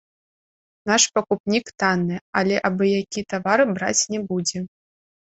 Наш пакупнік танны, але абы-які тавар браць не будзе.